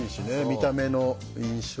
見た目の印象も。